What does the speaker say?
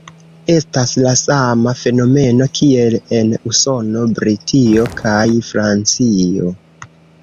Estas la sama fenomeno kiel en Usono, Britio kaj Francio.